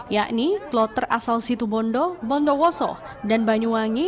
yakni kloter asal situ bondo bondo woso dan banyuwangi